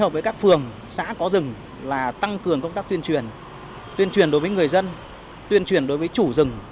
đơn vị phòng cháy là tăng cường công tác tuyên truyền tuyên truyền đối với người dân tuyên truyền đối với chủ rừng